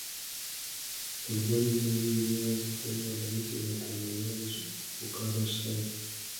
Oluvannyuma lw'ebyavuddemu abayizi batono abaayise okufuuka abasawo.